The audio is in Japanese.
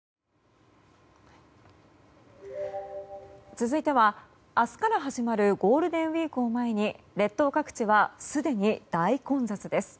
続いては、明日から始まるゴールデンウィークを前に列島各地はすでに大混雑です。